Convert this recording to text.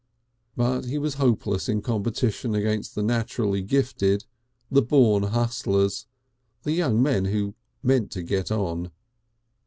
But he was hopeless in competition against the naturally gifted, the born hustlers, the young men who meant to get on.